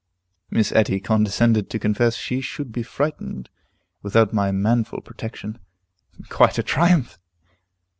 Miss Etty condescended to confess she should be frightened without my manful protection. Quite a triumph!